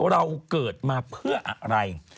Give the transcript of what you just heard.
เราเกิดมาเพื่ออะไร